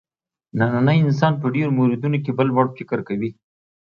نننی انسان په ډېرو موردونو کې بل وړ فکر کوي.